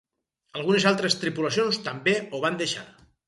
Algunes altres tripulacions també ho van deixar.